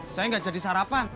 saya nggak jadi sarapan